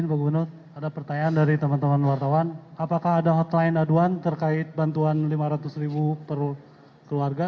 apakah ada hotline aduan terkait bantuan rp lima ratus per keluarga